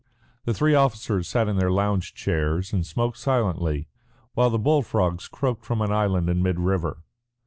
The three officers sat in their lounge chairs and smoked silently, while the bull frogs croaked from an island in mid river.